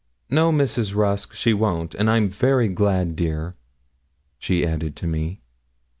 'No, Mrs. Rusk, she won't; and I am very glad, dear,' she added to me.